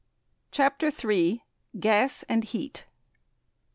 CHAPTER III. GAS AND HEAT.